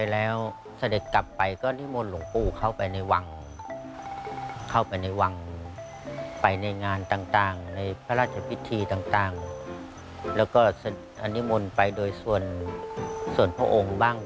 แล้วก็อันนี้มนต์ไปโดยส่วนพระองค์บ้าง